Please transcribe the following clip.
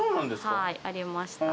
はいありました。